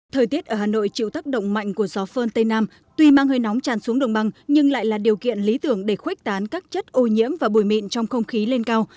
thời tiết ở hà nội chịu tác động mạnh của gió phơn tây nam tuy mang hơi nóng tràn xuống đồng băng nhưng lại là điều kiện lý tưởng để khuếch tán các chất ô nhiễm và bùi mịn trong không khí lên cao